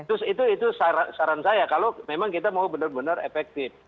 terus itu saran saya kalau memang kita mau benar benar efektif